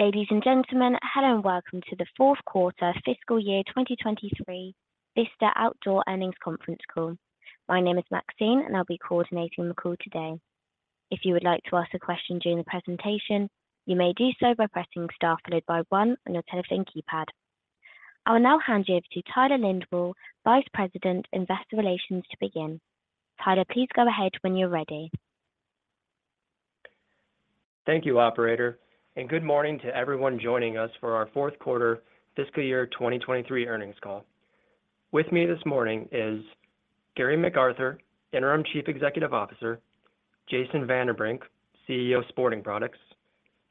Ladies and gentlemen, hello and welcome to the fourth quarter fiscal year 2023 Vista Outdoor Earnings Conference Call. My name is Maxine, and I'll be coordinating the call today. If you would like to ask a question during the presentation, you may do so by pressing star followed by one on your telephone keypad. I will now hand you over to Tyler Lindwall, Vice President, Investor Relations, to begin. Tyler, please go ahead when you're ready. Thank you, operator, and good morning to everyone joining us for our fourth quarter fiscal year 2023 earnings call. With me this morning is Gary McArthur, Interim Chief Executive Officer, Jason Vanderbrink, CEO of Sporting Products,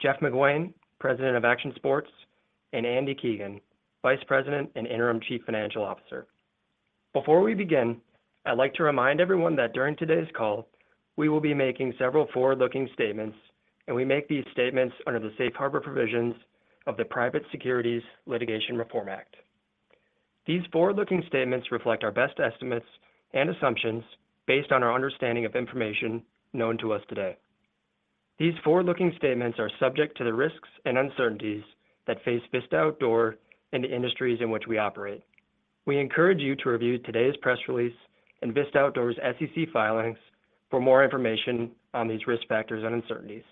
Jeff McGuane, President of Action Sports, and Andy Keegan, Vice President and Interim Chief Financial Officer. Before we begin, I'd like to remind everyone that during today's call, we will be making several forward-looking statements, and we make these statements under the Safe Harbor provisions of the Private Securities Litigation Reform Act. These forward-looking statements reflect our best estimates and assumptions based on our understanding of information known to us today. These forward-looking statements are subject to the risks and uncertainties that face Vista Outdoor and the industries in which we operate. We encourage you to review today's press release and Vista Outdoor's SEC filings for more information on these risk factors and uncertainties.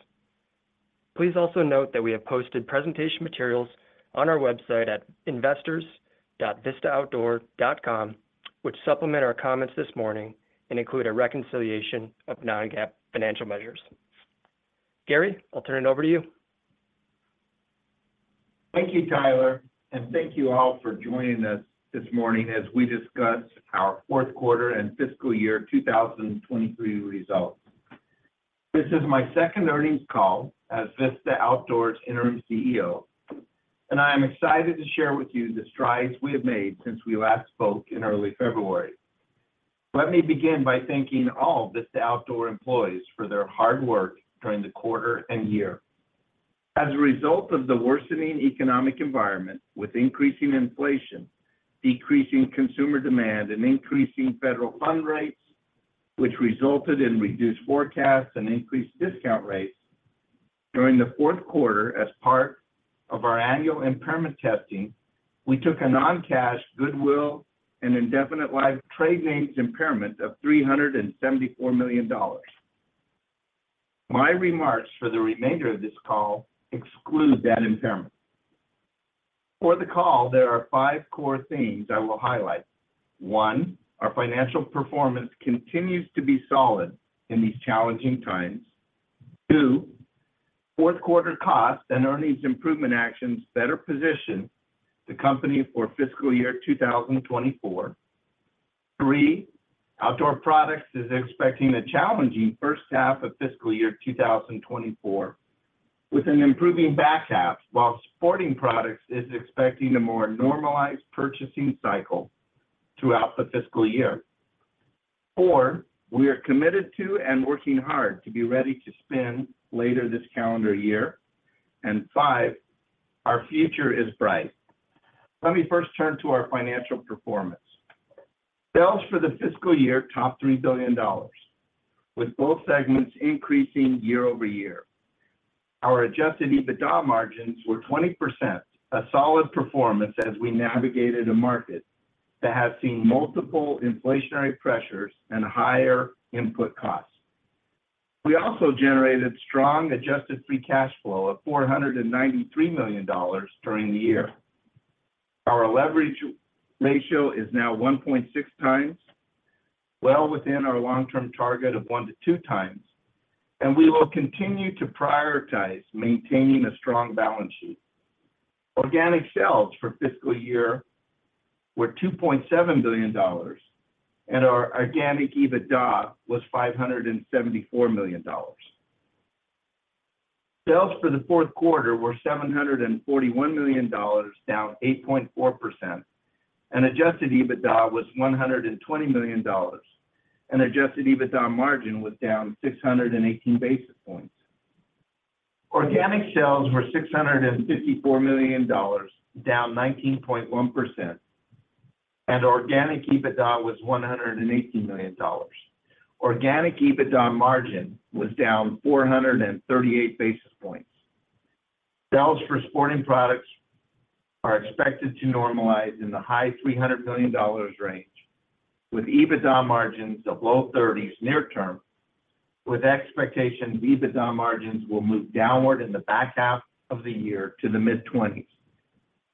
Please also note that we have posted presentation materials on our website at investors.vistaoutdoor.com, which supplement our comments this morning and include a reconciliation of non-GAAP financial measures. Gary, I'll turn it over to you. Thank you, Tyler. Thank you all for joining us this morning as we discuss our fourth quarter and fiscal year 2023 results. This is my second earnings call as Vista Outdoor's Interim CEO, and I am excited to share with you the strides we have made since we last spoke in early February. Let me begin by thanking all Vista Outdoor employees for their hard work during the quarter and year. As a result of the worsening economic environment with increasing inflation, decreasing consumer demand, and increasing federal fund rates, which resulted in reduced forecasts and increased discount rates during the fourth quarter as part of our annual impairment testing, we took a non-cash goodwill and indefinite-lived trade names impairment of $374 million. My remarks for the remainder of this call exclude that impairment. For the call, there are five core themes I will highlight. One. Our financial performance continues to be solid in these challenging times. Two. Fourth quarter costs and earnings improvement actions better position the company for fiscal year 2024. Three. Outdoor Products is expecting a challenging first half of fiscal year 2024 with an improving back half while Sporting Products is expecting a more normalized purchasing cycle throughout the fiscal year. Four. We are committed to and working hard to be ready to spin later this calendar year. Five. Our future is bright. Let me first turn to our financial performance. Sales for the fiscal year topped $3 billion with both segments increasing year-over-year. Our adjusted EBITDA margins were 20%, a solid performance as we navigated a market that has seen multiple inflationary pressures and higher input costs. We also generated strong adjusted free cash flow of $493 million during the year. Our leverage ratio is now 1.6 times, well within our long-term target of one to two times. We will continue to prioritize maintaining a strong balance sheet. Organic sales for fiscal year were $2.7 billion. Our organic EBITDA was $574 million. Sales for the fourth quarter were $741 million, down 8.4%. Adjusted EBITDA was $120 million. Adjusted EBITDA margin was down 618 basis points. Organic sales were $654 million, down 19.1%. Organic EBITDA was $180 million. Organic EBITDA margin was down 438 basis points. Sales for Sporting Products are expected to normalize in the high $300 million range with EBITDA margins of low 30s near term, with expectations EBITDA margins will move downward in the back half of the year to the mid-20s.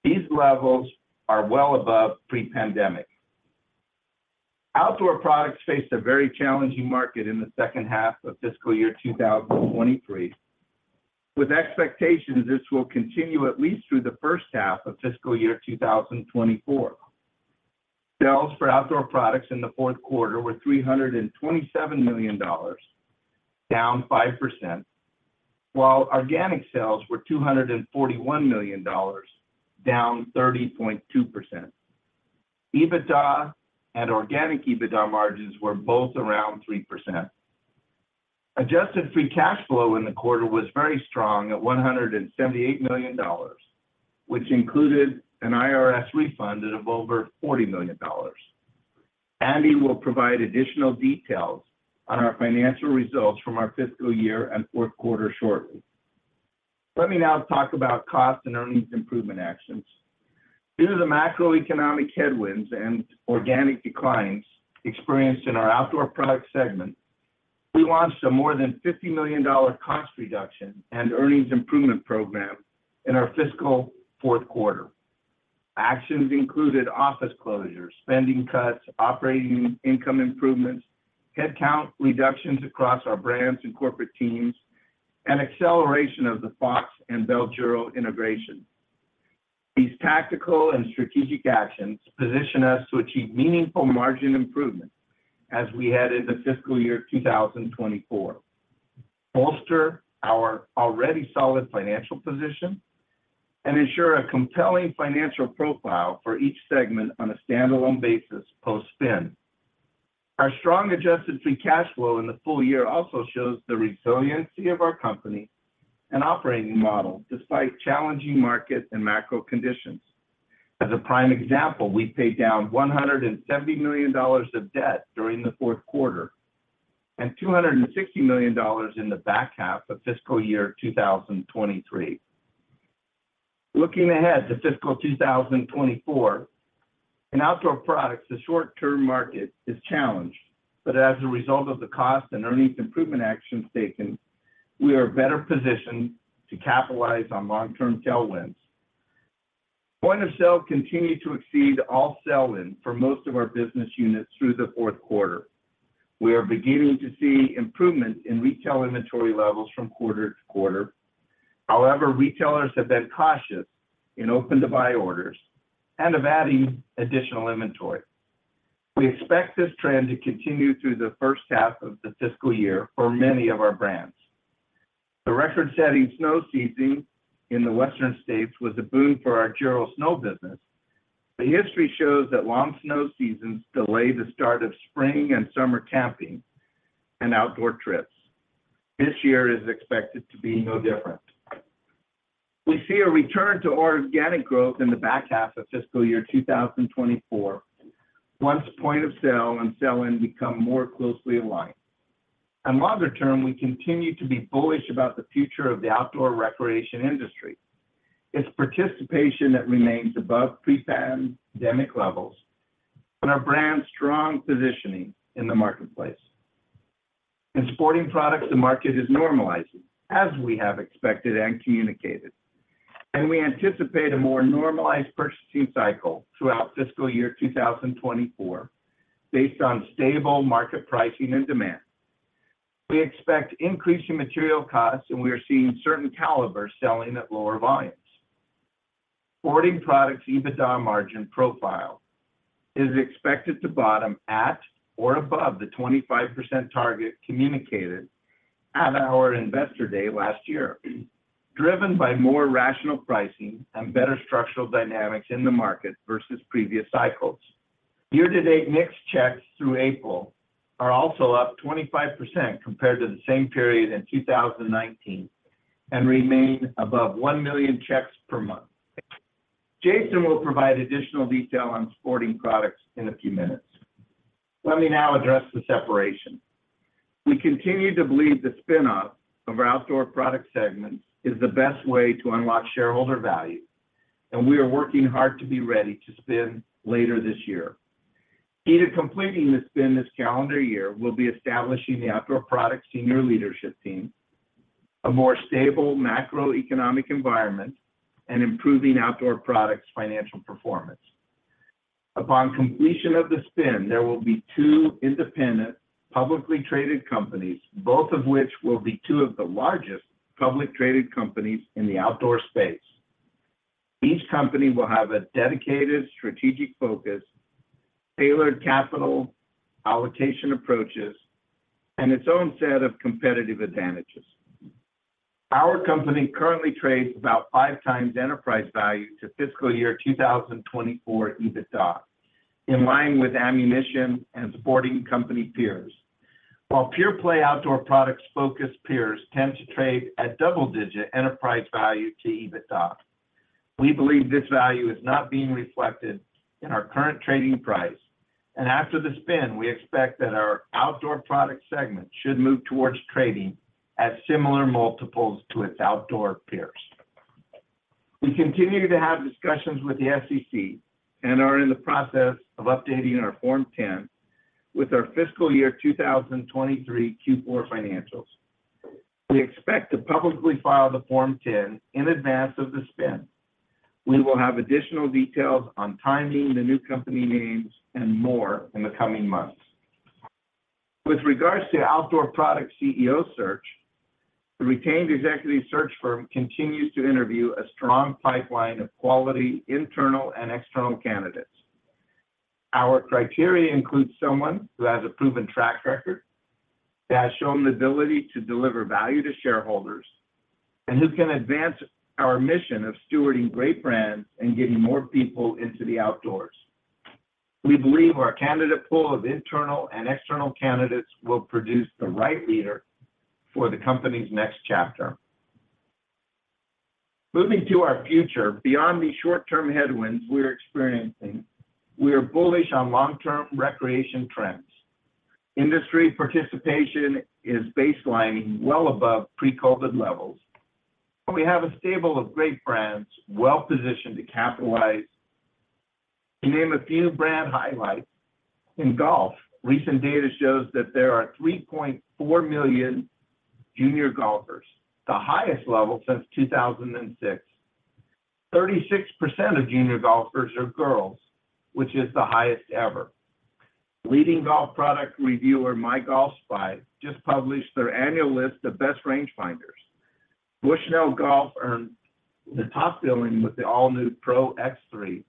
These levels are well above pre-pandemic. Outdoor Products faced a very challenging market in the second half of fiscal year 2023, with expectations this will continue at least through the first half of fiscal year 2024. Sales for Outdoor Products in the fourth quarter were $327 million, down 5%, while organic sales were $241 million, down 30.2%. EBITDA and organic EBITDA margins were both around 3%. Adjusted free cash flow in the quarter was very strong at $178 million, which included an IRS refund of over $40 million. Andy will provide additional details on our financial results from our fiscal year and fourth quarter shortly. Let me now talk about cost and earnings improvement actions. Due to the macroeconomic headwinds and organic declines experienced in our Outdoor Products segment, we launched a more than $50 million cost reduction and earnings improvement program in our fiscal fourth quarter. Actions included office closures, spending cuts, operating income improvements, headcount reductions across our brands and corporate teams, and acceleration of the Fox and Bell Giro integration. These tactical and strategic actions position us to achieve meaningful margin improvements as we head into fiscal year 2024, bolster our already solid financial position, and ensure a compelling financial profile for each segment on a standalone basis post-spin. Our strong adjusted free cash flow in the full year also shows the resiliency of our company and operating model despite challenging market and macro conditions. As a prime example, we paid down $170 million of debt during the fourth quarter and $260 million in the back half of fiscal year 2023. Looking ahead to fiscal 2024, in Outdoor Products, the short-term market is challenged. As a result of the cost and earnings improvement actions taken, we are better positioned to capitalize on long-term tailwinds. Point of sale continued to exceed all sell-in for most of our business units through the fourth quarter. We are beginning to see improvements in retail inventory levels from quarter to quarter. Retailers have been cautious in open-to-buy orders and of adding additional inventory. We expect this trend to continue through the first half of the fiscal year for many of our brands. The record-setting snow season in the Western states was a boon for our Giro Snow business. History shows that long snow seasons delay the start of spring and summer camping and outdoor trips. This year is expected to be no different. We see a return to organic growth in the back half of fiscal year 2024 once point of sale and sell-in become more closely aligned. Longer term, we continue to be bullish about the future of the outdoor recreation industry, its participation that remains above pre-pandemic levels, and our brand's strong positioning in the marketplace. In Sporting Products, the market is normalizing, as we have expected and communicated, and we anticipate a more normalized purchasing cycle throughout fiscal year 2024 based on stable market pricing and demand. We expect increasing material costs, and we are seeing certain calibers selling at lower volumes. Sporting Products' EBITDA margin profile is expected to bottom at or above the 25% target communicated at our Investor Day last year, driven by more rational pricing and better structural dynamics in the market versus previous cycles. Year-to-date NICS checks through April are also up 25% compared to the same period in 2019 and remain above 1 million checks per month. Jason will provide additional detail on Sporting Products in a few minutes. Let me now address the separation. We continue to believe the spin-off of our Outdoor Products segment is the best way to unlock shareholder value. We are working hard to be ready to spin later this year. Key to completing the spin this calendar year will be establishing the Outdoor Products senior leadership team, a more stable macroeconomic environment, and improving Outdoor Products' financial performance. Upon completion of the spin, there will be two independent, publicly traded companies, both of which will be two of the largest public traded companies in the outdoor space. Each company will have a dedicated strategic focus, tailored capital allocation approaches, and its own set of competitive advantages. Our company currently trades about five times enterprise value to fiscal year 2024 EBITDA, in line with ammunition and sporting company peers. While pure-play Outdoor Products-focused peers tend to trade at double-digit enterprise value to EBITDA, we believe this value is not being reflected in our current trading price, and after the spin, we expect that our Outdoor Products segment should move towards trading at similar multiples to its outdoor peers. We continue to have discussions with the SEC and are in the process of updating our Form 10 with our fiscal year 2023 Q4 financials. We expect to publicly file the Form 10 in advance of the spin. We will have additional details on timing, the new company names, and more in the coming months. With regards to Outdoor Products CEO search, the retained executive search firm continues to interview a strong pipeline of quality internal and external candidates. Our criteria includes someone who has a proven track record, that has shown the ability to deliver value to shareholders, and who can advance our mission of stewarding great brands and getting more people into the outdoors. We believe our candidate pool of internal and external candidates will produce the right leader for the company's next chapter. Moving to our future. Beyond these short-term headwinds we're experiencing, we are bullish on long-term recreation trends. Industry participation is baselining well above pre-COVID levels. We have a stable of great brands well-positioned to capitalize. To name a few brand highlights, in golf, recent data shows that there are 3.4 million junior golfers, the highest level since 2006. 36% of junior golfers are girls, which is the highest ever. Leading golf product reviewer MyGolfSpy just published their annual list of best rangefinders. Bushnell Golf earned the top billing with the all-new Pro X3.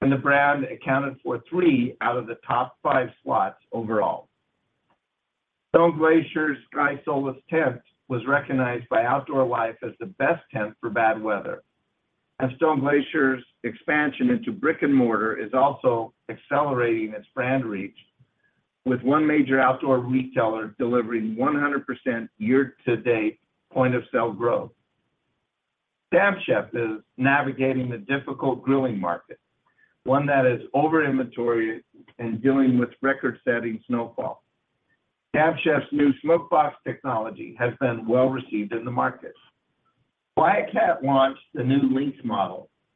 The brand accounted for three out of the top five slots overall. Stone Glacier's Sky Solus Tent was recognized by Outdoor Life as the best tent for bad weather. Stone Glacier's expansion into brick and mortar is also accelerating its brand reach, with one major outdoor retailer delivering 100% year-to-date point of sale growth. Camp Chef is navigating the difficult grilling market, one that is over-inventoried and dealing with record-setting snowfall. Camp Chef's new Smoke Box technology has been well-received in the market. Wildcat launched the new Lynx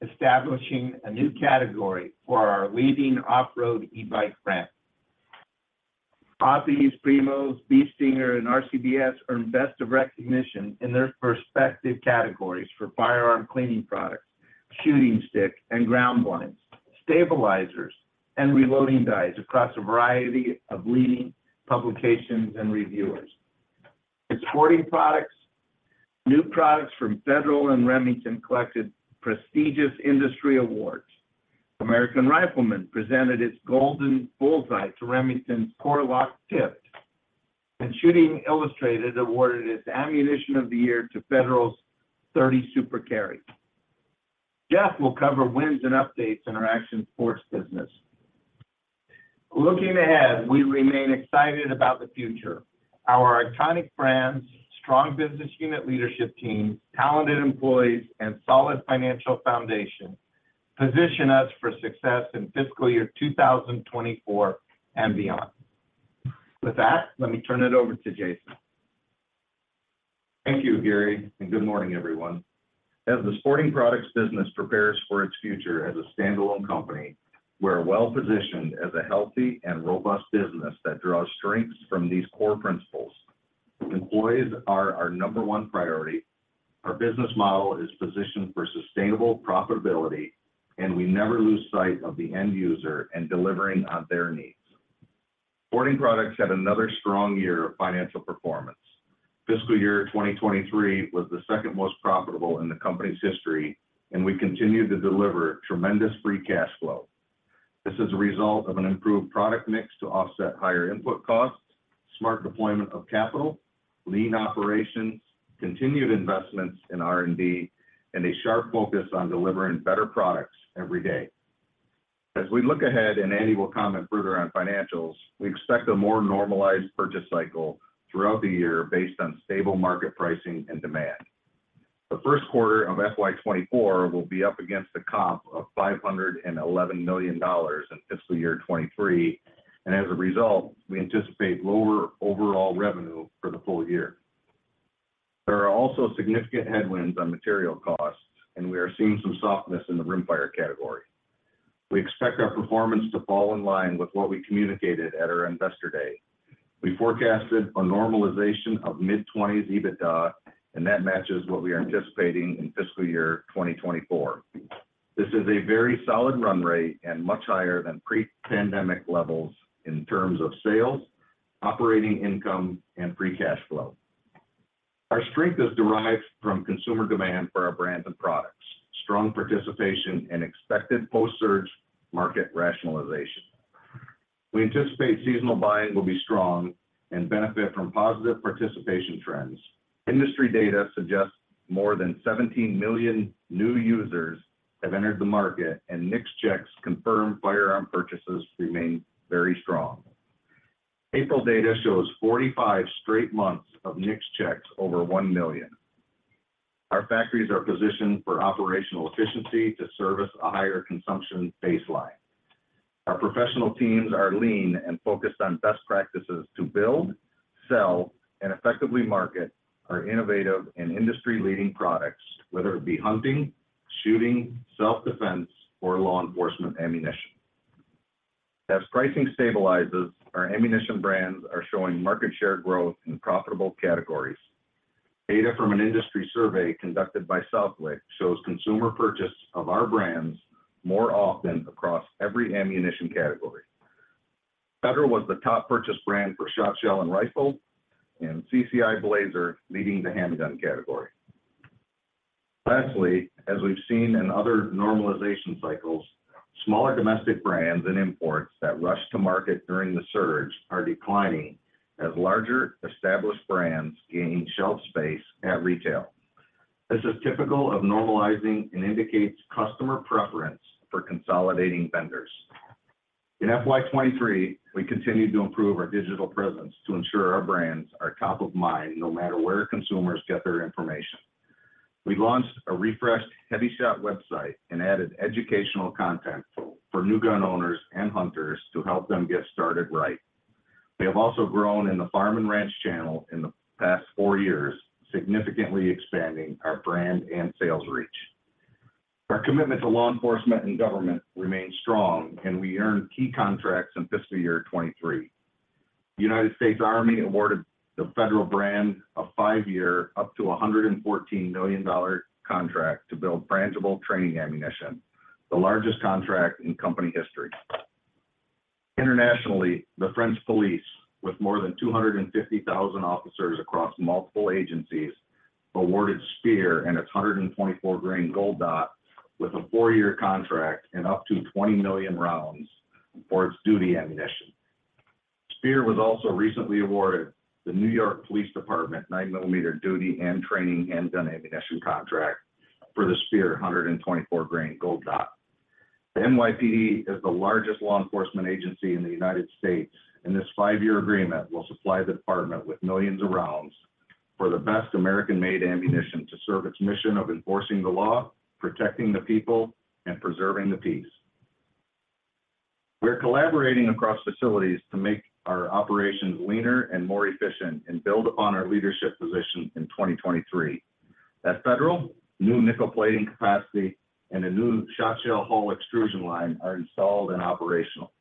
model, establishing a new category for our leading off-road e-bike brand. Hoppe's, Primo, Bee Stinger, and RCBS earned best of recognition in their respective categories for firearm cleaning products, shooting stick, and ground blinds, stabilizers, and reloading dies across a variety of leading publications and reviewers. In Sporting Products, new products from Federal and Remington collected prestigious industry awards. American Rifleman presented its Golden Bullseye to Remington's Core-Lokt Tipped, and Shooting Illustrated awarded its ammunition of the year to Federal's 30 Super Carry. Jeff will cover wins and updates in our Action Sports business. Looking ahead, we remain excited about the future. Our iconic brands, strong business unit leadership team, talented employees, and solid financial foundation position us for success in fiscal year 2024 and beyond. With that, let me turn it over to Jason. Thank you, Gary, and good morning, everyone. As the Sporting Products business prepares for its future as a standalone company, we're well-positioned as a healthy and robust business that draws strengths from these core principles. Employees are our number one priority. Our business model is positioned for sustainable profitability, and we never lose sight of the end user and delivering on their needs. Sporting Products had another strong year of financial performance. Fiscal year 2023 was the second most profitable in the company's history, and we continue to deliver tremendous free cash flow. This is a result of an improved product mix to offset higher input costs, smart deployment of capital, lean operations, continued investments in R&D, and a sharp focus on delivering better products every day. As we look ahead, and Andy will comment further on financials, we expect a more normalized purchase cycle throughout the year based on stable market pricing and demand. The first quarter of FY 2024 will be up against the comp of $511 million in fiscal year 2023, and as a result, we anticipate lower overall revenue for the full year. There are also significant headwinds on material costs, and we are seeing some softness in the rimfire category. We expect our performance to fall in line with what we communicated at our Investor Day. We forecasted a normalization of mid-20s EBITDA, and that matches what we are anticipating in fiscal year 2024. This is a very solid run rate and much higher than pre-pandemic levels in terms of sales, operating income, and free cash flow. Our strength is derived from consumer demand for our brands and products, strong participation in expected post-surge market rationalization. We anticipate seasonal buying will be strong and benefit from positive participation trends. Industry data suggests more than 17 million new users have entered the market and NICS checks confirm firearm purchases remain very strong. April data shows 45 straight months of NICS checks over 1 million. Our factories are positioned for operational efficiency to service a higher consumption baseline. Our professional teams are lean and focused on best practices to build, sell, and effectively market our innovative and industry-leading products, whether it be hunting, shooting, self-defense, or law enforcement ammunition. As pricing stabilizes, our ammunition brands are showing market share growth in profitable categories. Data from an industry survey conducted by Southwick shows consumer purchase of our brands more often across every ammunition category. Federal was the top purchase brand for shotshell and rifle, CCI Blazer leading the handgun category. Lastly, as we've seen in other normalization cycles, smaller domestic brands and imports that rushed to market during the surge are declining as larger established brands gain shelf space at retail. This is typical of normalizing and indicates customer preference for consolidating vendors. In FY23, we continued to improve our digital presence to ensure our brands are top of mind, no matter where consumers get their information. We launched a refreshed HEVI-Shot website and added educational content for new gun owners and hunters to help them get started right. We have also grown in the farm and ranch channel in the past four years, significantly expanding our brand and sales reach. Our commitment to law enforcement and government remains strong, we earned key contracts in fiscal year 2023. United States Army awarded the Federal brand a five-year up to a $114 million contract to build frangible training ammunition, the largest contract in company history. Internationally, the French Police, with more than 250,000 officers across multiple agencies, awarded Speer and its 124-grain Gold Dot with a four-year contract and up to 20 million rounds for its duty ammunition. Speer was also recently awarded the New York City Police Department 9-millimeter duty and training handgun ammunition contract for the Speer 124-grain Gold Dot. The NYPD is the largest law enforcement agency in the United States, and this five-year agreement will supply the department with millions of rounds for the best American-made ammunition to serve its mission of enforcing the law, protecting the people, and preserving the peace. We're collaborating across facilities to make our operations leaner and more efficient and build upon our leadership position in 2023. At Federal, new nickel plating capacity and a new shotshell hull extrusion line are installed and operational.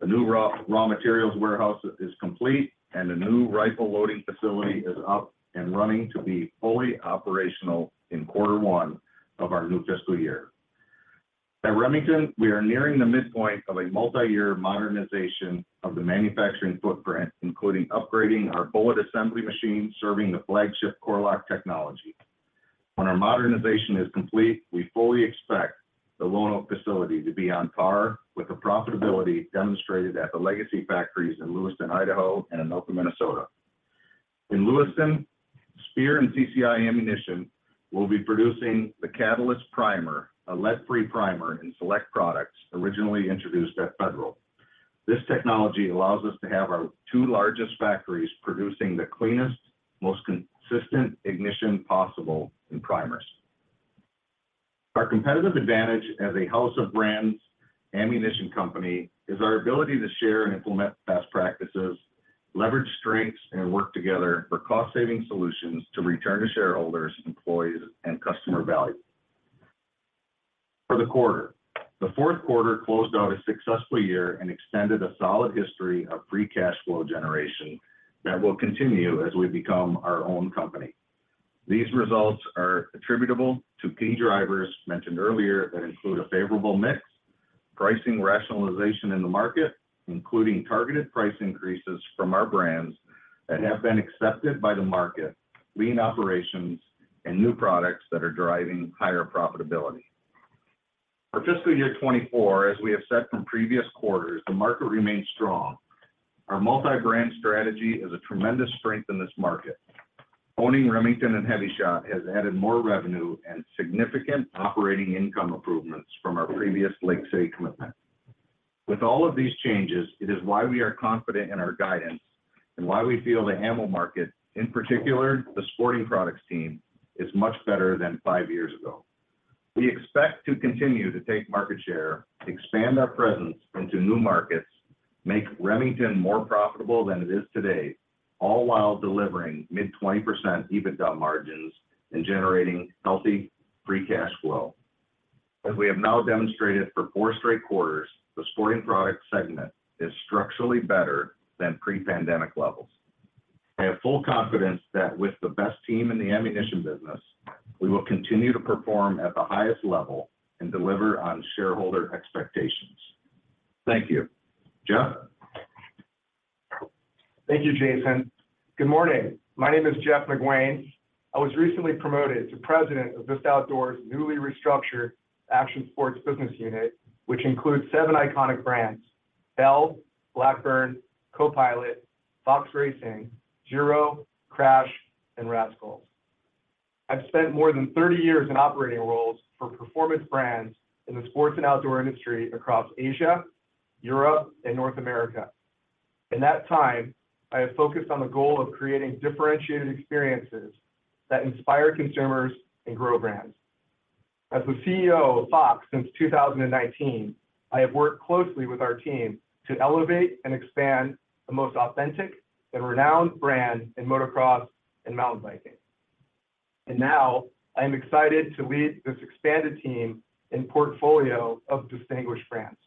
The new raw materials warehouse is complete, and a new rifle loading facility is up and running to be fully operational in quarter one of our new fiscal year. At Remington, we are nearing the midpoint of a multiyear modernization of the manufacturing footprint, including upgrading our bullet assembly machine, serving the flagship Core-Lokt technology. When our modernization is complete, we fully expect the Lonoke facility to be on par with the profitability demonstrated at the legacy factories in Lewiston, Idaho, and in Anoka, Minnesota. In Lewiston, SPEER and CCI ammunition will be producing the Catalyst Primer, a lead-free primer in select products originally introduced at Federal. This technology allows us to have our two largest factories producing the cleanest, most consistent ignition possible in primers. Our competitive advantage as a house of brands ammunition company is our ability to share and implement best practices, leverage strengths, and work together for cost-saving solutions to return to shareholders, employees, and customer value. For the quarter, the fourth quarter closed out a successful year and extended a solid history of free cash flow generation that will continue as we become our own company. These results are attributable to key drivers mentioned earlier that include a favorable mix, pricing rationalization in the market, including targeted price increases from our brands that have been accepted by the market, lean operations, and new products that are driving higher profitability. For fiscal year 2024, as we have said from previous quarters, the market remains strong. Our multi-brand strategy is a tremendous strength in this market. Owning Remington and HEVI-Shot has added more revenue and significant operating income improvements from our previous Lake City commitment. With all of these changes, it is why we are confident in our guidance and why we feel the ammo market, in particular the Sporting Products team, is much better than five years ago. We expect to continue to take market share, expand our presence into new markets, make Remington more profitable than it is today, all while delivering mid 20% EBITDA margins and generating healthy free cash flow. As we have now demonstrated for four straight quarters, the Sporting Products segment is structurally better than pre-pandemic levels. I have full confidence that with the best team in the ammunition business, we will continue to perform at the highest level and deliver on shareholder expectations. Thank you. Jeff? Thank you, Jason. Good morning. My name is Jeff McGuane. I was recently promoted to President of Vista Outdoor's newly restructured Action Sports business unit, which includes seven iconic brands: Bell, Blackburn, Co-Pilot, Fox Racing, Giro, Krash, and Raskullz. I've spent more than 30 years in operating roles for performance brands in the sports and outdoor industry across Asia, Europe, and North America. In that time, I have focused on the goal of creating differentiated experiences that inspire consumers and grow brands. As the CEO of Fox since 2019, I have worked closely with our team to elevate and expand the most authentic and renowned brand in motocross and mountain biking. Now I am excited to lead this expanded team and portfolio of distinguished brands.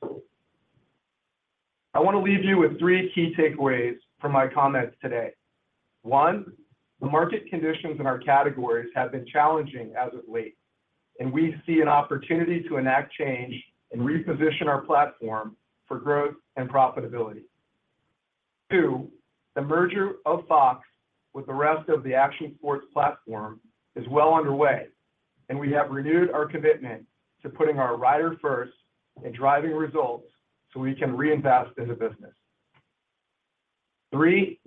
I want to leave you with three key takeaways from my comments today. One, the market conditions in our categories have been challenging as of late, we see an opportunity to enact change and reposition our platform for growth and profitability. Two, the merger of FOX with the rest of the Action Sports platform is well underway, we have renewed our commitment to putting our rider first and driving results so we can reinvest in the business. Three,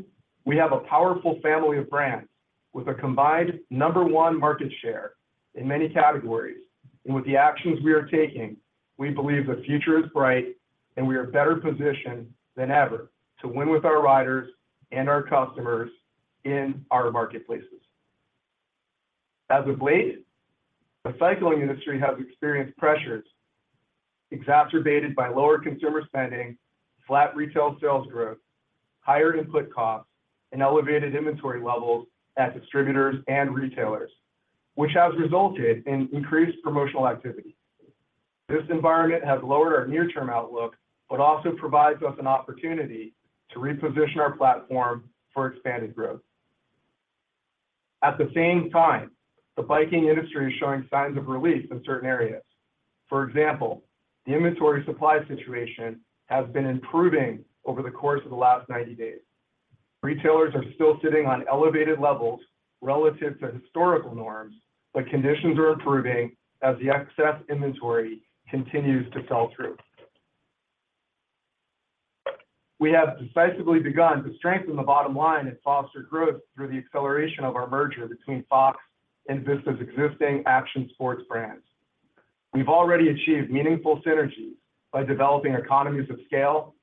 we have a powerful family of brands with a combined number one market share in many categories. With the actions we are taking, we believe the future is bright and we are better positioned than ever to win with our riders and our customers in our marketplaces. As of late, the cycling industry has experienced pressures exacerbated by lower consumer spending, flat retail sales growth, higher input costs, and elevated inventory levels at distributors and retailers, which has resulted in increased promotional activity. This environment has lowered our near-term outlook, but also provides us an opportunity to reposition our platform for expanded growth. At the same time, the biking industry is showing signs of relief in certain areas. For example, the inventory supply situation has been improving over the course of the last 90 days. Retailers are still sitting on elevated levels relative to historical norms, but conditions are improving as the excess inventory continues to sell through. We have decisively begun to strengthen the bottom line and foster growth through the acceleration of our merger between Fox and Vista's existing Action Sports brands. We've already achieved meaningful synergies by developing economies of scale,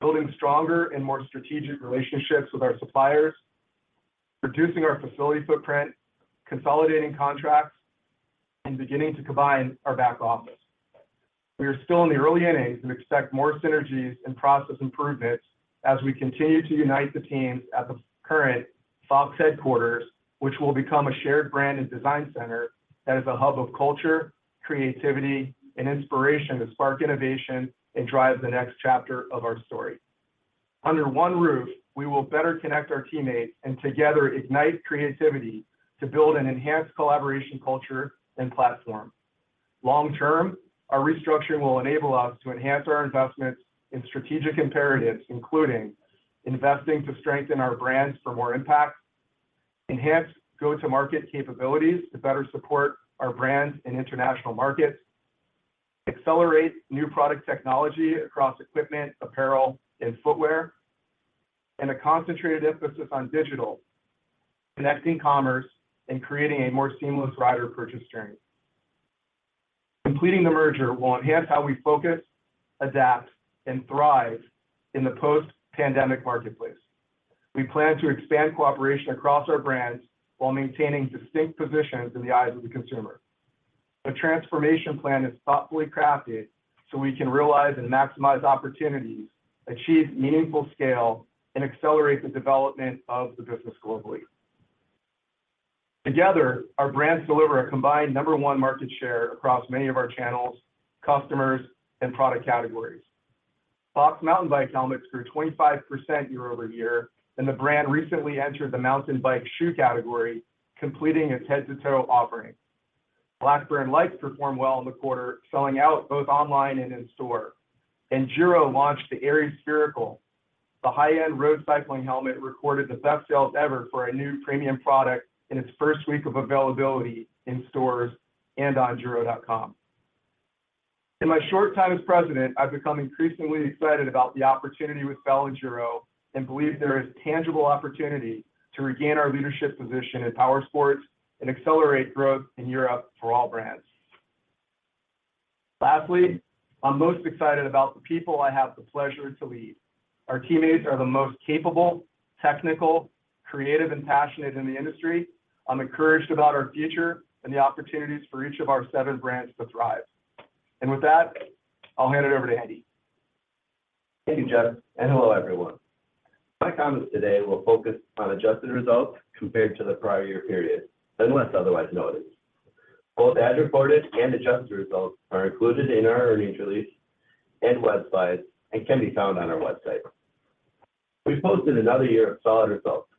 building stronger and more strategic relationships with our suppliers, reducing our facility footprint, consolidating contracts, and beginning to combine our back office. We are still in the early innings and expect more synergies and process improvements as we continue to unite the teams at the current Fox headquarters, which will become a shared brand and design center that is a hub of culture, creativity, and inspiration to spark innovation and drive the next chapter of our story. Under one roof, we will better connect our teammates and together ignite creativity to build an enhanced collaboration culture and platform. Long term, our restructuring will enable us to enhance our investments in strategic imperatives, including investing to strengthen our brands for more impact, enhance go-to-market capabilities to better support our brands in international markets, accelerate new product technology across equipment, apparel, and footwear, and a concentrated emphasis on digital, connecting commerce, and creating a more seamless rider purchase journey. Completing the merger will enhance how we focus, adapt, and thrive in the post-pandemic marketplace. We plan to expand cooperation across our brands while maintaining distinct positions in the eyes of the consumer. The transformation plan is thoughtfully crafted so we can realize and maximize opportunities, achieve meaningful scale, and accelerate the development of the business globally. Together, our brands deliver a combined number one market share across many of our channels, customers, and product categories. Fox Mountain Bike Helmets grew 25% year-over-year. The brand recently entered the mountain bike shoe category, completing its head-to-toe offering. Blackburn Lights performed well in the quarter, selling out both online and in store. Giro launched the Aries Spherical. The high-end road cycling helmet recorded the best sales ever for a new premium product in its first week of availability in stores and on giro.com. In my short time as president, I've become increasingly excited about the opportunity with Bell and Giro and believe there is tangible opportunity to regain our leadership position in powersports and accelerate growth in Europe for all brands. Lastly, I'm most excited about the people I have the pleasure to lead. Our teammates are the most capable, technical, creative, and passionate in the industry. I'm encouraged about our future and the opportunities for each of our seven brands to thrive. With that, I'll hand it over to Andy. Thank you, Jeff, and hello, everyone. My comments today will focus on adjusted results compared to the prior year period, unless otherwise noted. Both as-reported and adjusted results are included in our earnings release and web slides and can be found on our website. We posted another year of solid results.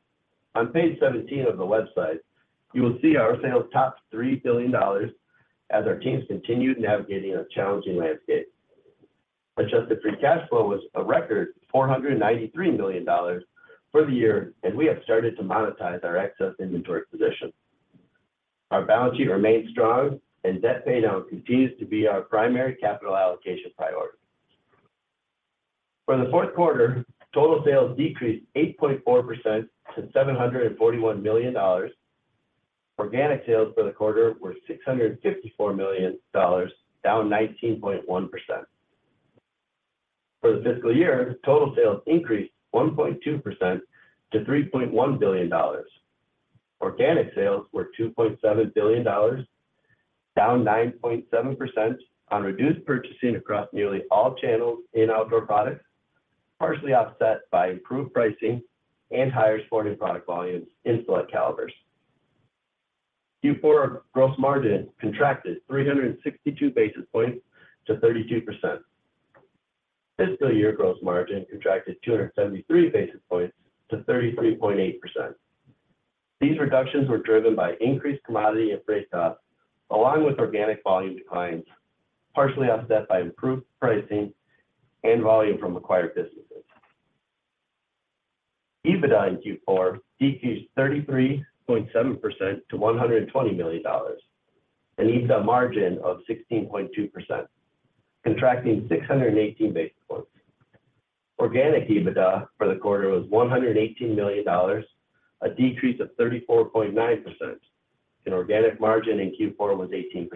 On page 17 of the website, you will see our sales topped $3 billion as our teams continued navigating a challenging landscape. Adjusted free cash flow was a record $493 million for the year, and we have started to monetize our excess inventory position. Our balance sheet remains strong and debt paydown continues to be our primary capital allocation priority. For the fourth quarter, total sales decreased 8.4% to $741 million. Organic sales for the quarter were $654 million, down 19.1%. For the fiscal year, total sales increased 1.2% to $3.1 billion. Organic sales were $2.7 billion, down 9.7% on reduced purchasing across nearly all channels in Outdoor Products, partially offset by improved pricing and higher Sporting Products volumes in select calibers. Q4 gross margin contracted 362 basis points to 32%. Fiscal year gross margin contracted 273 basis points to 33.8%. These reductions were driven by increased commodity and freight costs, along with organic volume declines, partially offset by improved pricing and volume from acquired businesses. EBITDA in Q4 decreased 33.7% to $120 million, an EBITDA margin of 16.2%, contracting 618 basis points. Organic EBITDA for the quarter was $118 million, a decrease of 34.9%, and organic margin in Q4 was 18%.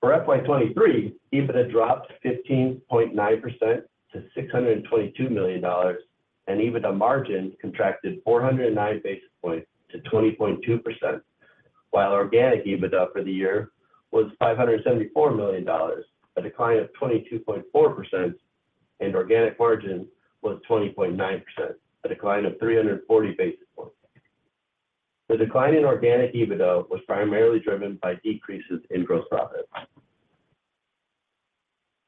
For FY 2023, EBITDA dropped 15.9% to $622 million, and EBITDA margin contracted 409 basis points to 20.2%, while organic EBITDA for the year was $574 million, a decline of 22.4%, and organic margin was 20.9%, a decline of 340 basis points. The decline in organic EBITDA was primarily driven by decreases in gross profit.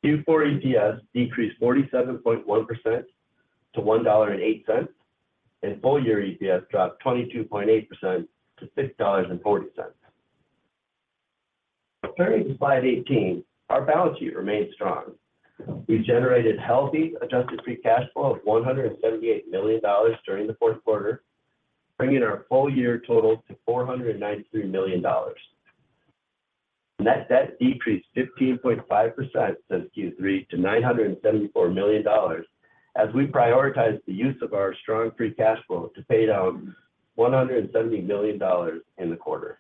Q4 EPS decreased 47.1% to $1.08, and full-year EPS dropped 22.8% to $6.40. Turning to slide 18, our balance sheet remained strong. We generated healthy adjusted free cash flow of $178 million during the fourth quarter, bringing our full-year total to $493 million. Net debt decreased 15.5% since Q3 to $974 million, as we prioritized the use of our strong free cash flow to pay down $170 million in the quarter.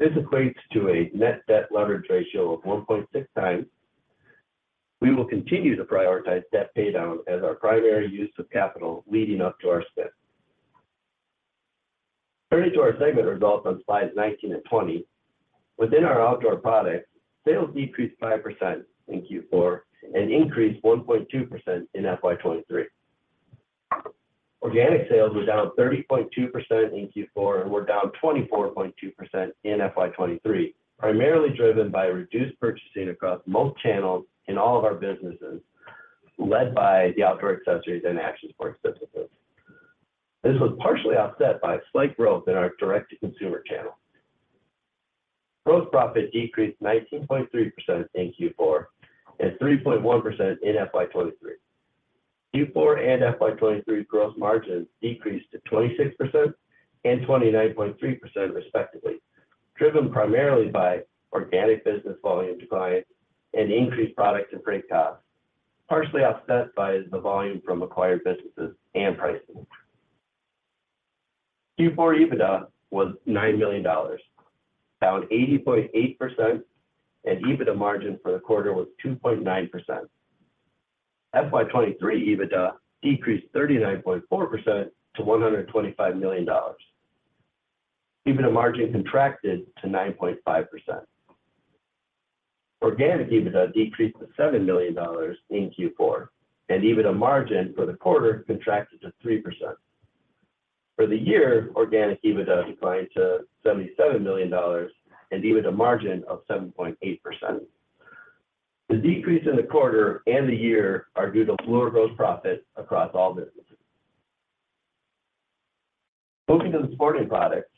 This equates to a net debt leverage ratio of 1.6 times. We will continue to prioritize debt paydown as our primary use of capital leading up to our spend. Turning to our segment results on slides 19 and 20, within our Outdoor Products, sales decreased 5% in Q4 and increased 1.2% in FY 2023. Organic sales were down 30.2% in Q4 and were down 24.2% in FY 2023, primarily driven by reduced purchasing across most channels in all of our businesses, led by the outdoor accessories and Action Sports businesses. This was partially offset by a slight growth in our direct-to-consumer channel. Gross profit decreased 19.3% in Q4 and 3.1% in FY 2023. Q4 and FY 2023 gross margins decreased to 26% and 29.3% respectively, driven primarily by organic business volume decline and increased product and freight costs, partially offset by the volume from acquired businesses and pricing. Q4 EBITDA was $9 million, down 80.8%, and EBITDA margin for the quarter was 2.9%. FY 2023 EBITDA decreased 39.4% to $125 million. EBITDA margin contracted to 9.5%. Organic EBITDA decreased to $7 million in Q4, and EBITDA margin for the quarter contracted to 3%. For the year, organic EBITDA declined to $77 million and EBITDA margin of 7.8%. The decrease in the quarter and the year are due to lower gross profit across all businesses. Moving to the Sporting Products,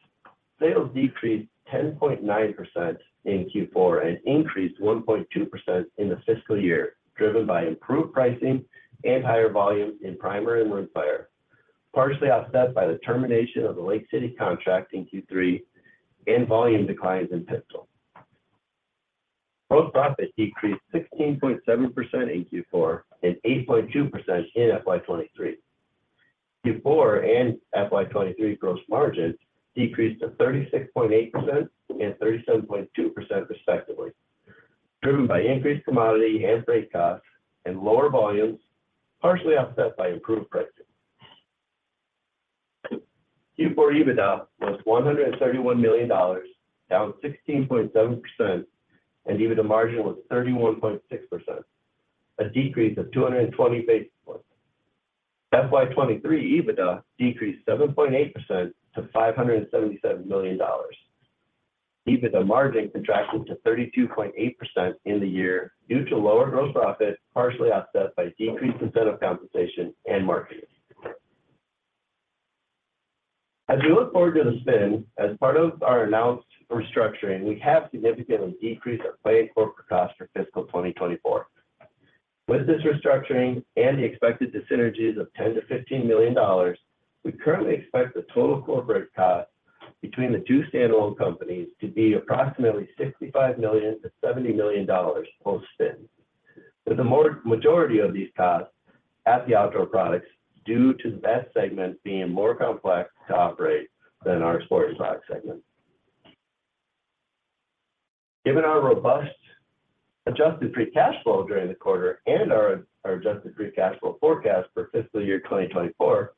sales decreased 10.9% in Q4 and increased 1.2% in the fiscal year, driven by improved pricing and higher volumes in Primer and Woodfire, partially offset by the termination of the Lake City contract in Q3 and volume declines in Pistol. Gross profit decreased 16.7% in Q4 and 8.2% in FY 2023. Q4 and FY 2023 gross margins decreased to 36.8% and 37.2% respectively, driven by increased commodity and freight costs and lower volumes, partially offset by improved pricing. Q4 EBITDA was $131 million, down 16.7%, and EBITDA margin was 31.6%, a decrease of 220 basis points. FY 2023 EBITDA decreased 7.8% to $577 million. EBITDA margin contracted to 32.8% in the year due to lower gross profit, partially offset by decreased incentive compensation and marketing. As we look forward to the spin, as part of our announced restructuring, we have significantly decreased our planned corporate cost for fiscal 2024. With this restructuring and the expected dyssynergies of $10 million-$15 million, we currently expect the total corporate cost between the two standalone companies to be approximately $65 million-$70 million post-spin, with the majority of these costs at the Outdoor Products due to that segment being more complex to operate than our Sporting Products segment. Given our robust adjusted free cash flow during the quarter and our adjusted free cash flow forecast for fiscal year 2024,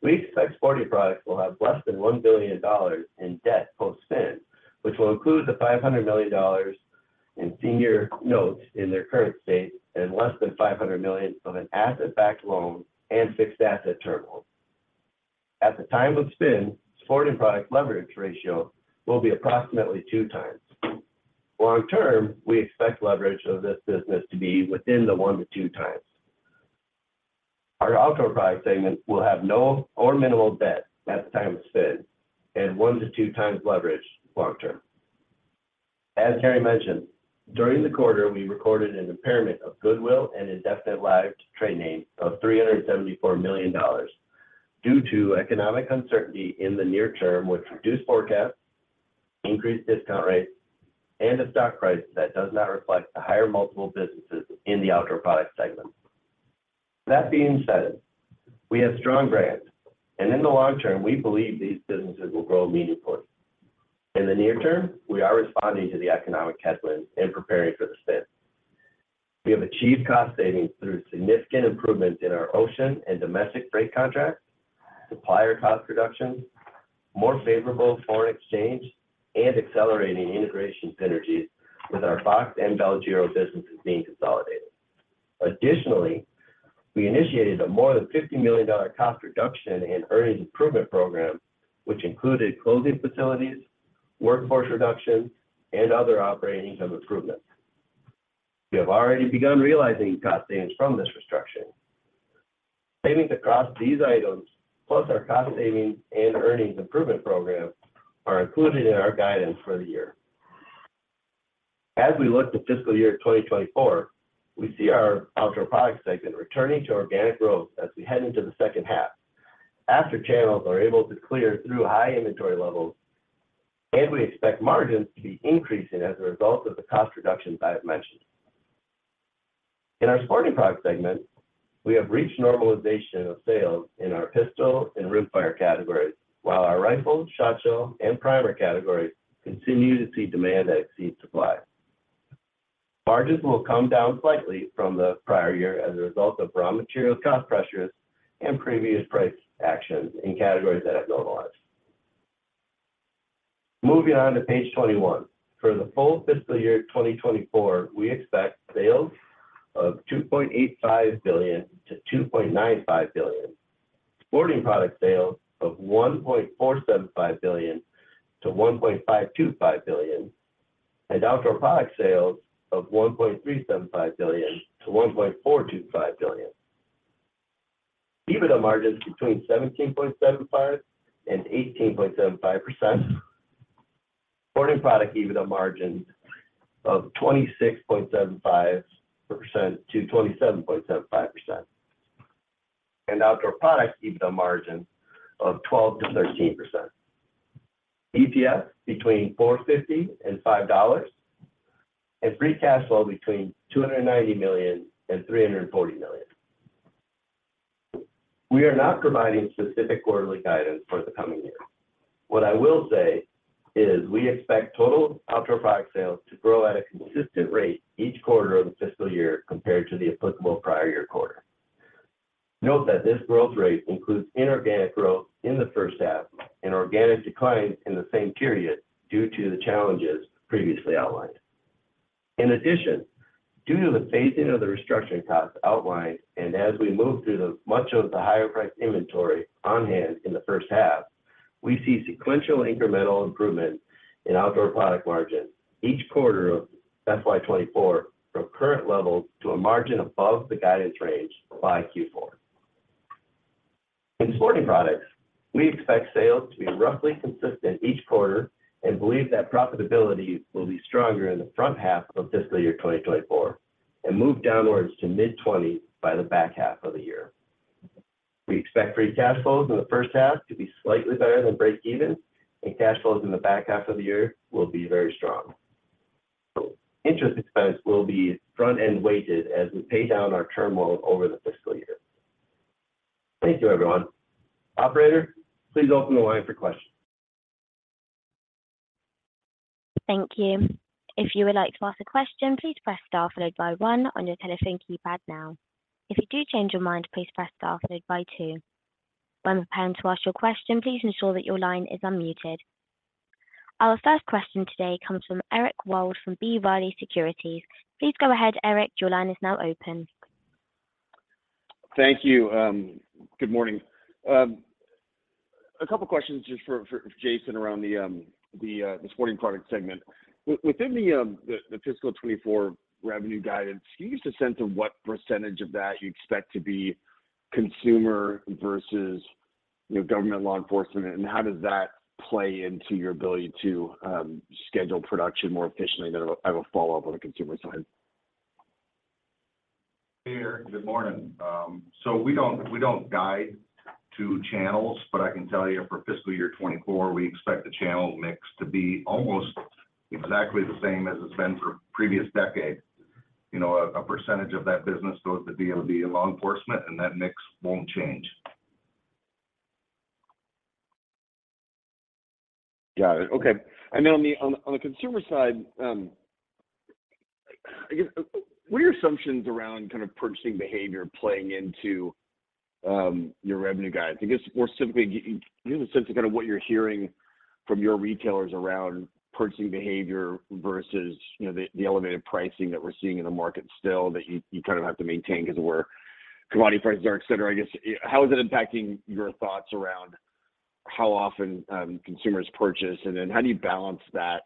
we expect Sporting Products will have less than $1 billion in debt post-spin, which will include the $500 million in senior notes in their current state and less than $500 million of an asset-backed loan and fixed asset term loan. At the time of spin, Sporting Products leverage ratio will be approximately 2 times. Long term, we expect leverage of this business to be within the one to two times. Our Outdoor Products segment will have no or minimal debt at the time of spin and one to two times leverage long term. As Terry mentioned, during the quarter, we recorded an impairment of goodwill and indefinite-lived trade name of $374 million. Due to economic uncertainty in the near term with reduced forecasts, increased discount rates, and a stock price that does not reflect the higher multiple businesses in the Outdoor Products segment. That being said, we have strong brands, and in the long term, we believe these businesses will grow meaningfully. In the near term, we are responding to the economic headwind and preparing for the spin. We have achieved cost savings through significant improvements in our ocean and domestic freight contracts, supplier cost reductions, more favorable foreign exchange, and accelerating integration synergies with our Fox and Bell Giro businesses being consolidated. Additionally, we initiated a more than $50 million cost reduction and earnings improvement program, which included closing facilities, workforce reductions, and other operating income improvements. We have already begun realizing cost savings from this restructure. Savings across these items, plus our cost savings and earnings improvement program, are included in our guidance for the year. As we look to fiscal year 2024, we see our Outdoor Products segment returning to organic growth as we head into the second half after channels are able to clear through high inventory levels, and we expect margins to be increasing as a result of the cost reductions I have mentioned. In our Sporting Products segment, we have reached normalization of sales in our Pistol and rimfire categories, while our rifle, shotshell, and Primer categories continue to see demand that exceeds supply. Margins will come down slightly from the prior year as a result of raw material cost pressures and previous price actions in categories that have normalized. Moving on to page 21. For the full fiscal year 2024, we expect sales of $2.85 billion to $2.95 billion, Sporting Products sales of $1.475 billion to $1.525 billion, and Outdoor Products sales of $1.375 billion to $1.425 billion. EBITDA margins between 17.75% and 18.75%. Sporting Products EBITDA margins of 26.75% to 27.75%. Outdoor Products EBITDA margin of 12% to 13%. EPS between $4.50 and $5, and free cash flow between $290 million and $340 million. We are not providing specific quarterly guidance for the coming year. What I will say is we expect total Outdoor Products sales to grow at a consistent rate each quarter of the fiscal year compared to the applicable prior year quarter. Note that this growth rate includes inorganic growth in the first half and organic declines in the same period due to the challenges previously outlined. Due to the phasing of the restructuring costs outlined and as we move through much of the higher-priced inventory on hand in the first half, we see sequential incremental improvement in Outdoor Products margins each quarter of FY 2024 from current levels to a margin above the guidance range by Q4. In Sporting Products, we expect sales to be roughly consistent each quarter and believe that profitability will be stronger in the front half of fiscal year 2024 and move downwards to mid 20% by the back half of the year. We expect free cash flows in the first half to be slightly better than breakeven, and cash flows in the back half of the year will be very strong. Interest expense will be front-end weighted as we pay down our term loans over the fiscal year. Thank you, everyone. Operator, please open the line for questions. Thank you. If you would like to ask a question, please press star followed by one on your telephone keypad now. If you do change your mind, please press star followed by two. When preparing to ask your question, please ensure that your line is unmuted. Our first question today comes from Eric Wold from B. Riley Securities. Please go ahead, Eric. Your line is now open. Thank you. Good morning. A couple questions just for Jason around the Sporting Products segment. Within the fiscal 24 revenue guidance, can you give us a sense of what percentage of that you expect to be consumer versus, you know, government law enforcement, and how does that play into your ability to schedule production more efficiently? I'll, I have a follow-up on the consumer side. Hey, Eric. Good morning. We don't guide to channels, but I can tell you for fiscal year 24, we expect the channel mix to be almost exactly the same as it's been for previous decades. You know, a percentage of that business goes to DoD and law enforcement, and that mix won't change. Got it. Okay. Then on the consumer side, I guess, what are your assumptions around kind of purchasing behavior playing into, your revenue guide? I guess, more simply, give us a sense of kind of what you're hearing from your retailers around purchasing behavior versus, you know, the elevated pricing that we're seeing in the market still that you kind of have to maintain 'cause of where commodity prices are, et cetera? I guess, how is it impacting your thoughts around how often, consumers purchase, and then how do you balance that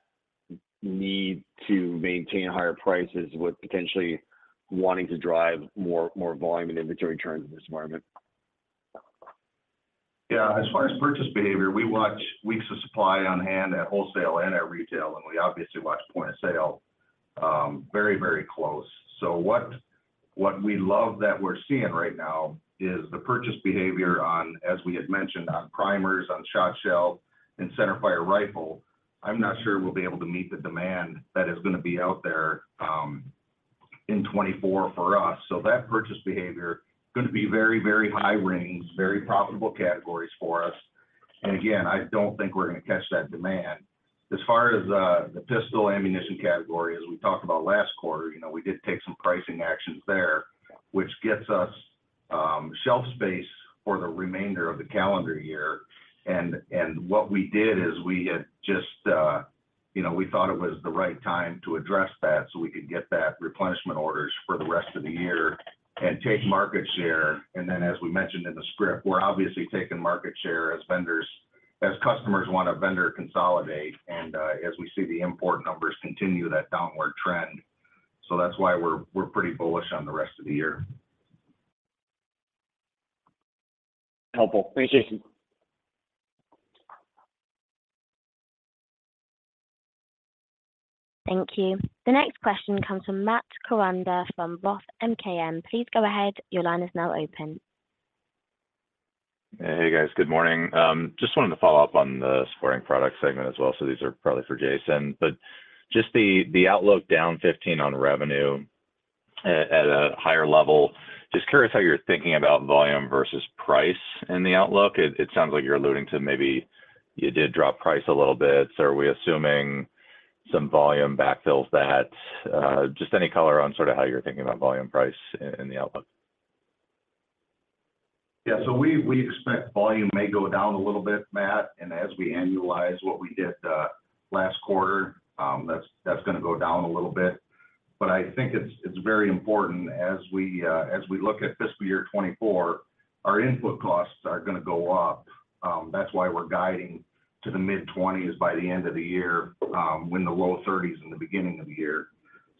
need to maintain higher prices with potentially wanting to drive more volume and inventory turns in this environment? As far as purchase behavior, we watch weeks of supply on hand at wholesale and at retail, and we obviously watch point of sale. Very, very close. What we love that we're seeing right now is the purchase behavior on, as we had mentioned, on primers, on shotshell, and centerfire rifle. I'm not sure we'll be able to meet the demand that is gonna be out there in 2024 for us. That purchase behavior is gonna be very, very high rings, very profitable categories for us. Again, I don't think we're gonna catch that demand. As far as the Pistol ammunition category, as we talked about last quarter, you know, we did take some pricing actions there, which gets us shelf space for the remainder of the calendar year. What we did is we had just, you know, we thought it was the right time to address that so we could get that replenishment orders for the rest of the year and take market share. As we mentioned in the script, we're obviously taking market share as customers wanna vendor consolidate, and, as we see the import numbers continue that downward trend. That's why we're pretty bullish on the rest of the year. Helpful. Thanks, Jason. Thank you. The next question comes from Matt Koranda from ROTH MKM. Please go ahead. Your line is now open. Hey, guys. Good morning. just wanted to follow up on the Sporting Products segment as well. These are probably for Jason. just the outlook down 15% on revenue at a higher level, just curious how you're thinking about volume versus price in the outlook. It sounds like you're alluding to maybe you did drop price a little bit. Are we assuming some volume backfills that? just any color on sort of how you're thinking about volume price in the outlook. Yeah. We expect volume may go down a little bit, Matt. As we annualize what we did last quarter, that's gonna go down a little bit. I think it's very important as we look at fiscal year 2024, our input costs are gonna go up. That's why we're guiding to the mid-20s by the end of the year, when the low-30s in the beginning of the year.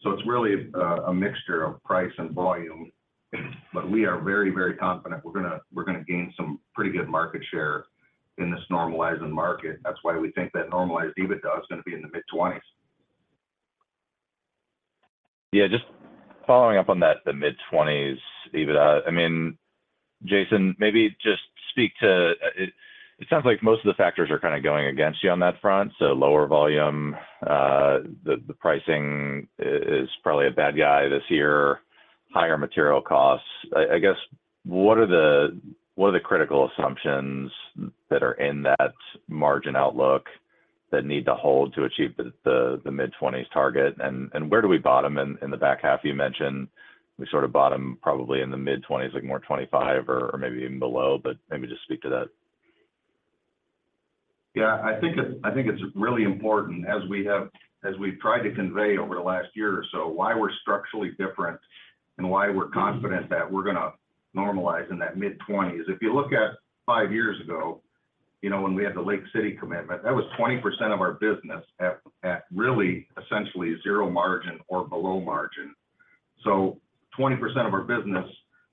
It's really a mixture of price and volume, but we are very confident we're gonna gain some pretty good market share in this normalizing market. That's why we think that normalized EBITDA is gonna be in the mid-20s. Just following up on that, the mid-20s EBITDA, I mean, Jason, maybe just speak to. It sounds like most of the factors are kinda going against you on that front. Lower volume, the pricing is probably a bad guy this year, higher material costs. I guess, what are the critical assumptions that are in that margin outlook that need to hold to achieve the mid-20s target? Where do we bottom in the back half? You mentioned we sort of bottom probably in the mid-20s, like more 25 or maybe even below, maybe just speak to that. Yeah. I think it, I think it's really important as we've tried to convey over the last year or so why we're structurally different and why we're confident that we're gonna normalize in that mid-20s. If you look at five years ago, you know, when we had the Lake City commitment, that was 20% of our business at really essentially zero margin or below margin. 20% of our business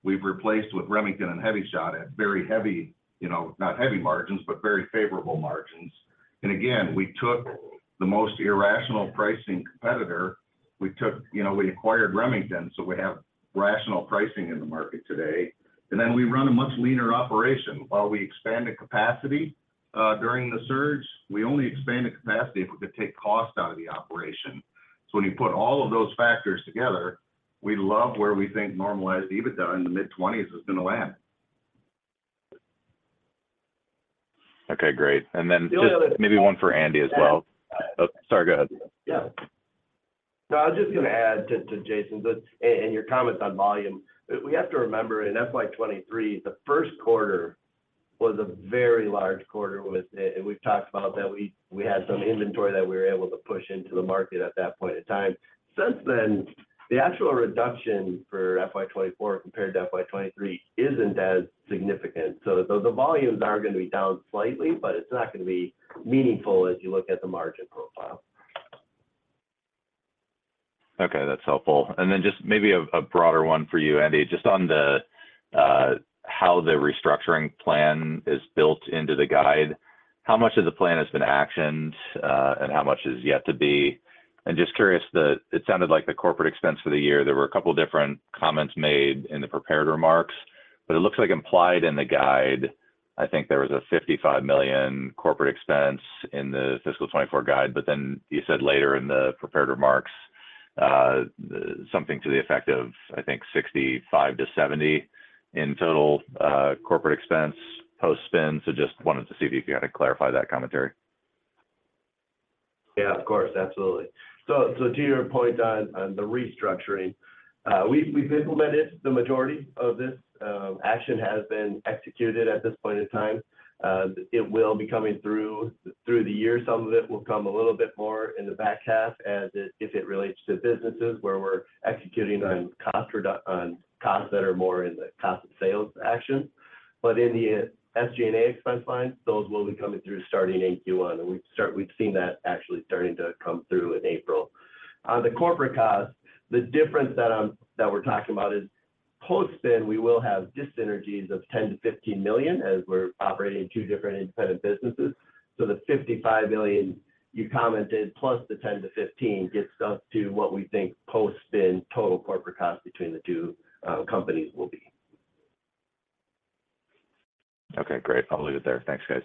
we've replaced with Remington and HEVI-Shot at very heavy, you know, not heavy margins, but very favorable margins. Again, we took the most irrational pricing competitor. You know, we acquired Remington, so we have rational pricing in the market today. Then we run a much leaner operation. While we expanded capacity during the surge, we only expanded capacity if we could take cost out of the operation. When you put all of those factors together, we love where we think normalized EBITDA in the mid-20% is gonna land. Okay, great. The only other- Just maybe one for Andy as well. Oh, sorry. Go ahead. Yeah. No, I was just gonna add to Jason's and your comments on volume. We have to remember in FY 2023, the first quarter was a very large quarter and we've talked about that we had some inventory that we were able to push into the market at that point in time. Since then, the actual reduction for FY 2024 compared to FY 2023 isn't as significant. The volumes are gonna be down slightly, but it's not gonna be meaningful as you look at the margin profile. Okay, that's helpful. just maybe a broader one for you, Andy. Just on the how the restructuring plan is built into the guide, how much of the plan has been actioned, and how much is yet to be? just curious, it sounded like the corporate expense for the year, there were a couple different comments made in the prepared remarks, but it looks like implied in the guide, I think there was a $55 million corporate expense in the fiscal 2024 guide, but then you said later in the prepared remarks, something to the effect of, I think $65 million-$70 million in total, corporate expense post-spin. just wanted to see if you could kinda clarify that commentary. Yeah. Of course. Absolutely. To your point on the restructuring, we've implemented the majority of this. Action has been executed at this point in time. It will be coming through the year. Some of it will come a little bit more in the back half as it relates to businesses where we're executing- Right On costs that are more in the cost of sales action. In the SG&A expense line, those will be coming through starting in Q1, and we've seen that actually starting to come through in April. The corporate costs The difference that we're talking about is post-spin, we will have dyssynergies of $10 million-$15 million as we're operating two different independent businesses. The $55 million you commented plus the $10 million to $15 million gets us to what we think post-spin total corporate costs between the two companies will be. Okay, great. I'll leave it there. Thanks, guys.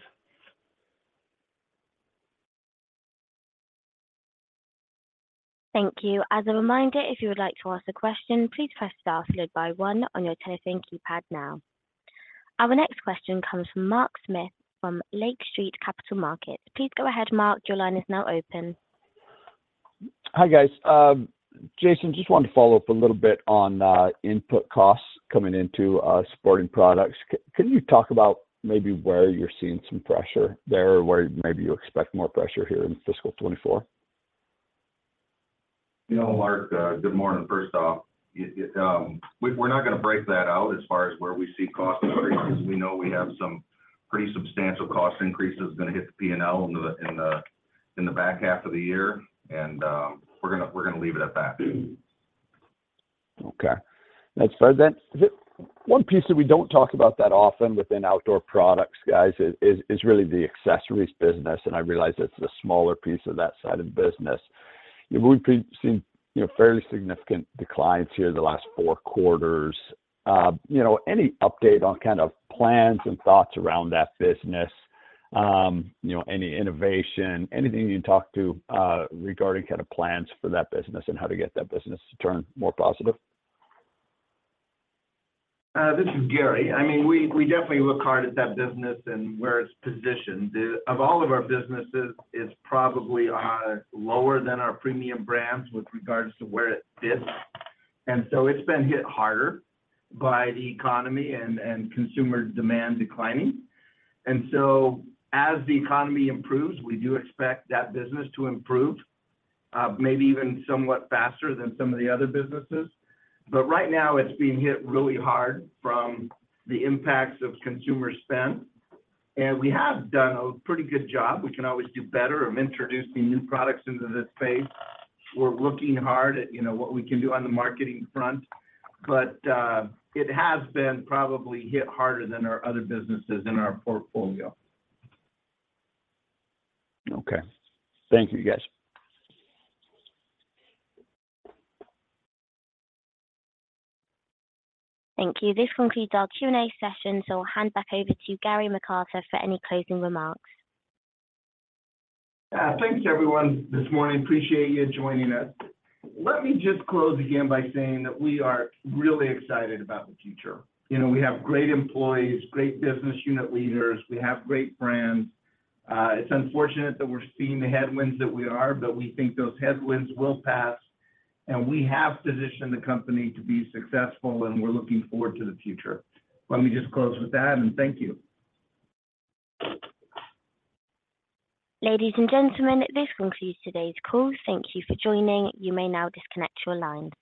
Thank you. As a reminder, if you would like to ask a question, please press star followed by one on your telephone keypad now. Our next question comes from Mark Smith from Lake Street Capital Markets. Please go ahead, Mark. Your line is now open. Hi, guys. Jason, just wanted to follow up a little bit on input costs coming into Sporting Products. Can you talk about maybe where you're seeing some pressure there or where maybe you expect more pressure here in fiscal 2024? You know, Mark, good morning. First off, we're not gonna break that out as far as where we see costs increases. We know we have some pretty substantial cost increases gonna hit the P&L in the back half of the year. We're gonna leave it at that. Okay. Thanks for that. The one piece that we don't talk about that often within Outdoor Products, guys, is really the accessories business, I realize it's the smaller piece of that side of the business. You know, we've seen, you know, fairly significant declines here the last four quarters. You know, any update on kind of plans and thoughts around that business? You know, any innovation, anything you can talk to, regarding kind of plans for that business and how to get that business to turn more positive? This is Gary. I mean, we definitely look hard at that business and where it's positioned. Of all of our businesses, it's probably lower than our premium brands with regards to where it sits. It's been hit harder by the economy and consumer demand declining. As the economy improves, we do expect that business to improve, maybe even somewhat faster than some of the other businesses. But right now, it's being hit really hard from the impacts of consumer spend. We have done a pretty good job, we can always do better of introducing new products into this space. We're looking hard at, you know, what we can do on the marketing front, but it has been probably hit harder than our other businesses in our portfolio. Okay. Thank you, guys. Thank you. This concludes our Q&A session, so I'll hand back over to Gary McArthur for any closing remarks. Thanks everyone this morning. Appreciate you joining us. Let me just close again by saying that we are really excited about the future. You know, we have great employees, great business unit leaders. We have great brands. It's unfortunate that we're seeing the headwinds that we are. We think those headwinds will pass. We have positioned the company to be successful. We're looking forward to the future. Let me just close with that. Thank you. Ladies and gentlemen, this concludes today's call. Thank you for joining. You may now disconnect your lines.